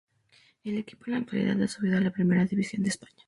El equipo en la actualidad ha subido a la Primera División de España.